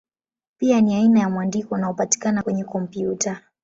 Pia ni aina ya mwandiko unaopatikana kwenye kompyuta.